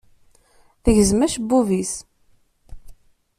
Tegzem acebbub-is.